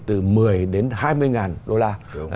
từ một mươi đến hai mươi ngàn đô la